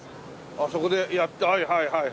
そこでやってはいはいはい。